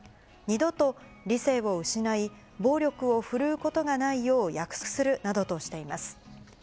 二度と理性を失い、暴力を振るうことがないよう約束するなどとしています。